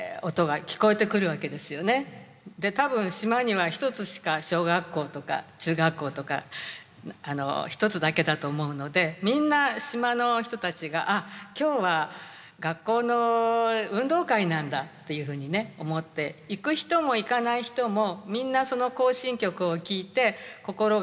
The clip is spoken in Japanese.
多分島には一つしか小学校とか中学校とか一つだけだと思うのでみんな島の人たちがあっ今日は学校の運動会なんだっていうふうに思って行く人も行かない人もみんなその行進曲を聴いて心が弾んでくる。